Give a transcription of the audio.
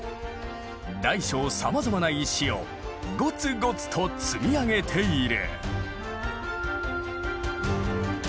大小さまざまな石をごつごつと積み上げている。